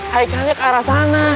haikalnya ke arah sana